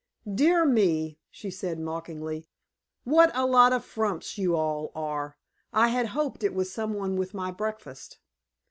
"Dear me," she said mockingly, "what a lot of frumps you all are! I had hoped it was some one with my breakfast."